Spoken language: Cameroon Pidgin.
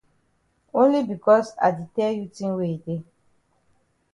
Only becos I di tell you tin wey e dey.